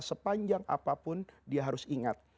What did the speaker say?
sepanjang apapun dia harus ingat